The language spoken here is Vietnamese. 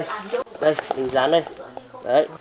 mình dán đây